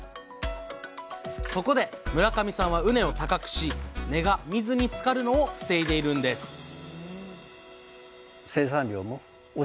そこで村上さんは畝を高くし根が水につかるのを防いでいるんです